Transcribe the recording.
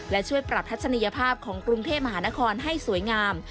และช่วยปรับทัศนียภาพของกรุงเทพมหานครให้สวยงาม